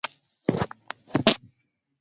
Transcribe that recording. vifaa vya kutengeneza juisi